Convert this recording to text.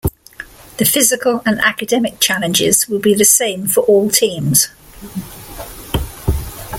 The physical and academic challenges will be the same for all teams.